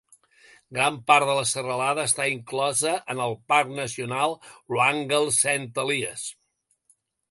Gran part de la serralada està inclosa en el Parc Nacional Wrangell-Saint Elias.